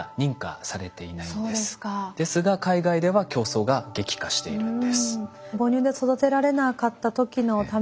ですが海外では競争が激化しているんです。